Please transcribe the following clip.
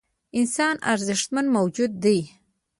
انسان ارزښتمن موجود دی .